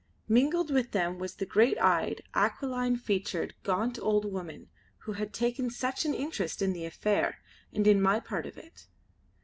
Mingled with them was the great eyed, aquiline featured, gaunt old woman who had taken such an interest in the affair, and in my part of it.